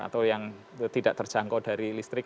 atau yang tidak terjangkau dari listrik